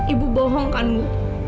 ibu bohong kan bu